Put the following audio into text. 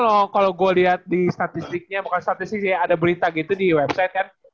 kalau gue lihat di statistiknya bukan statistik ada berita gitu di website kan